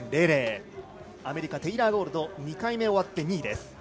アメリカのテイラー・ゴールド２回目終わって２位です。